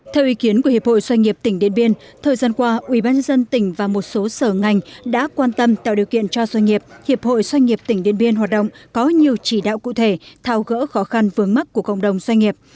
theo ý kiến của hiệp hội doanh nghiệp tỉnh điện biên thời gian qua ubnd tỉnh và một số sở ngành đã quan tâm tạo điều kiện cho doanh nghiệp hiệp hội doanh nghiệp tỉnh điện biên hoạt động có nhiều chỉ đạo cụ thể thao gỡ khó khăn vướng mắt của cộng đồng doanh nghiệp